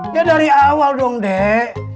dia dari awal dong dek